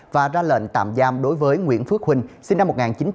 và ra lệnh tạm giam đối với nguyễn phước huynh sinh năm một nghìn chín trăm chín mươi hai